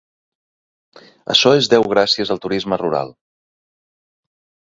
Açò és deu gràcies al turisme rural.